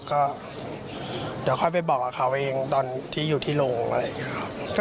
ก็เดี๋ยวค่อยไปบอกกับเขาเองตอนที่อยู่ที่โรงอะไรอย่างนี้ครับ